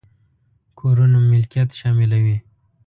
کورونو ملکيت شاملوي.